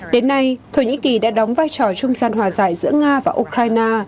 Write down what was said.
đến nay thổ nhĩ kỳ đã đóng vai trò trung gian hòa giải giữa nga và ukraine